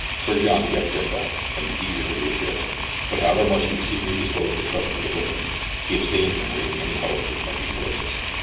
Sir John guessed their thoughts, and was eager to reassure them ; but however much he was secretly disposed to trust to the bushman, he abstained from raising any hopes which might be fallacious.